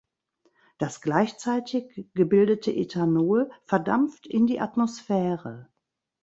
Das gleichzeitig gebildete Ethanol verdampft in die Atmosphäre.